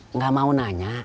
enggak mau nanya